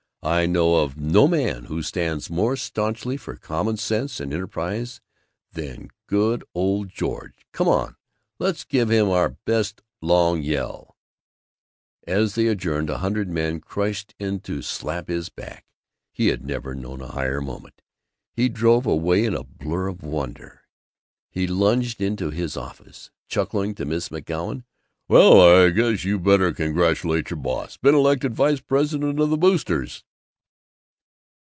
I know of no man who stands more stanchly for common sense and enterprise than good old George. Come on, let's give him our best long yell!" As they adjourned, a hundred men crushed in to slap his back. He had never known a higher moment. He drove away in a blur of wonder. He lunged into his office, chuckling to Miss McGoun, "Well, I guess you better congratulate your boss! Been elected vice president of the Boosters!"